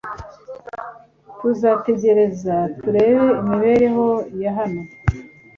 Tuzategereza turebe imibereho ya hano .